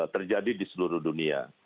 terjadi di seluruh dunia